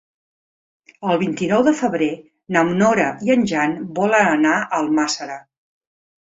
El vint-i-nou de febrer na Nora i en Jan volen anar a Almàssera.